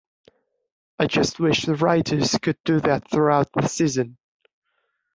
I just wish the writers could do that throughout the season.